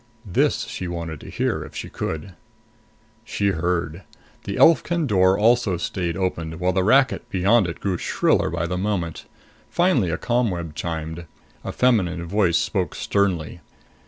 This she wanted to hear, if she could. She heard. The Elfkund door also stayed open, while the racket beyond it grew shriller by the moment. Finally a ComWeb chimed. A feminine voice spoke sternly.